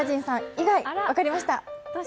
以外分かりました。